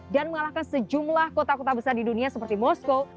dan mengalahkan sejumlah kota kota besar di dunia seperti moskow